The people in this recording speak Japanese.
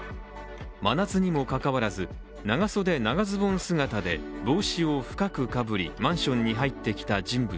真夏にもかかわらず、長袖・長ズボン姿で帽子を深くかぶりマンションに入ってきた人物。